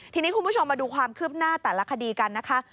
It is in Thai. ทีนี้คุณผู้ชมมาดูความคืบหน้าแต่ละคดีกันนะคะ